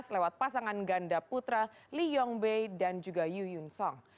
lewat pasangan ganda putra lee yong bai dan juga yu yun song